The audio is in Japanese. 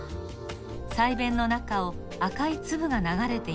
鰓弁の中を赤いつぶがながれています。